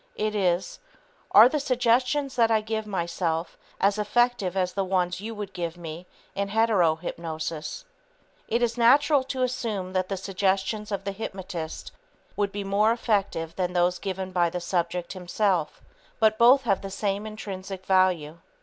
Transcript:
It is: "Are the suggestions that I give myself as effective as the ones you would give me in hetero hypnosis?" It is natural to assume that the suggestions of the hypnotist would be more effective than those given by the subject himself, but both have the same intrinsic value.